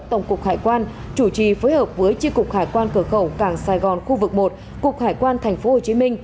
tổng cục hải quan chủ trì phối hợp với tri cục hải quan cửa khẩu cảng sài gòn khu vực một cục hải quan tp hcm